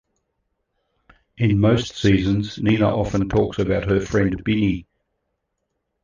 In most seasons Nina often talks about her friend Binny.